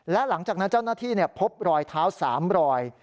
และหลังจากนั้นเจ้าหน้าที่พบรอยเท้า๓รอย